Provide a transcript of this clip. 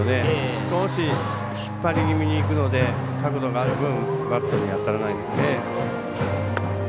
少し引っ張り気味にいくので角度がある分バットに当たらないですね。